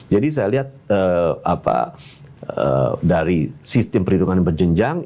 jadi saya lihat dari sistem perhitungan yang berjenjang